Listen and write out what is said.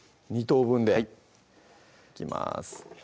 ２等分ではいいきます